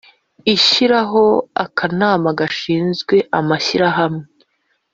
ishyiraho akanama gashinzwe amashyirahamwe.